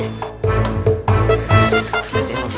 satu satu dulu paman